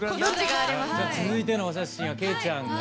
続いてのお写真は桂ちゃんが。